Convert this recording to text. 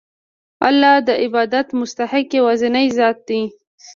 الله د عبادت مستحق یوازینی ذات دی.